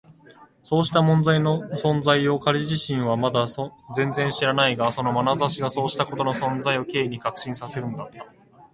そうした問題の存在を彼自身はまだ全然知らないが、そのまなざしがそうしたことの存在を Ｋ に確信させるのだった。